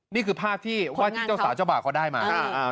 นี่คือภาพที่ผู้เจ้าสาวเจ้าบ่าก็ได้มา